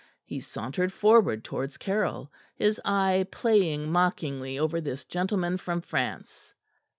He sauntered forward towards Caryll, his eye playing mockingly over this gentleman from France.